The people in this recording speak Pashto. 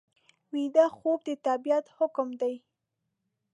ویده خوب د طبیعت حکم دی